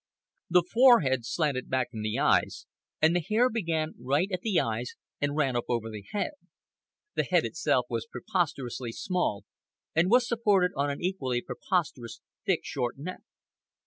The forehead slanted back from the eyes, and the hair began right at the eyes and ran up over the head. The head itself was preposterously small and was supported on an equally preposterous, thick, short neck.